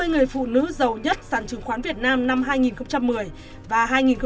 top năm mươi người phụ nữ giàu nhất sản trường khoán việt nam năm hai nghìn một mươi và hai nghìn một mươi một